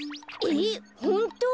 えっほんと？